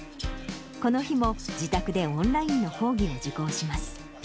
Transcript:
この日も、自宅でオンラインの講義を受講します。